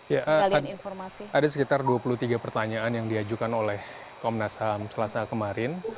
ya ada sekitar dua puluh tiga pertanyaan yang diajukan oleh komnas ham selasa kemarin